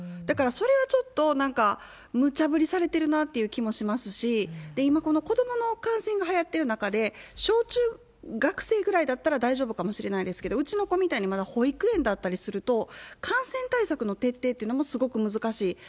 だから、それはちょっとなんか、むちゃ振りされてるなっていう気もしますし、今、この子どもの感染がはやってる中で、小中学生ぐらいだったら大丈夫かもしれないですけど、うちの子みたいに、まだ保育園だったりすると、感染対策の徹底っていうのもすごく難しい。